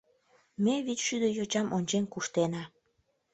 Ме вич шӱдӧ йочам ончен куштена.